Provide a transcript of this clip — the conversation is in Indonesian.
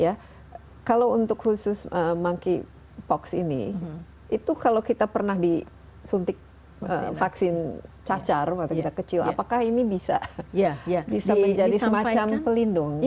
ya kalau untuk khusus monkeypox ini itu kalau kita pernah disuntik vaksin cacar waktu kita kecil apakah ini bisa menjadi semacam pelindung